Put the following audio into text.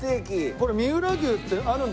これ三浦牛ってあるんだよね。